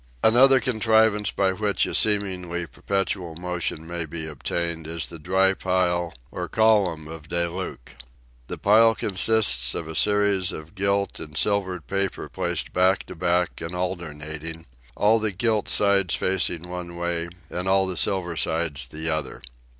Another contrivance by which a seemingly perpetual motion may be obtained is the dry pile or column of De Luc. The pile consists of a series of disks of gilt and silvered paper placed back to back and alternating, all the gilt sides facing one way and all the silver sides the other.